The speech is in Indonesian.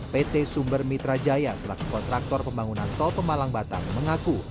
pt sumber mitra jaya selaku kontraktor pembangunan tol pemalang batang mengaku